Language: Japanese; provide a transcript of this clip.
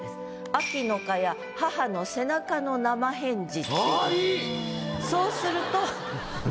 「秋の蚊帳母の背中の生返事」。